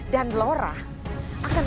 dan laura akan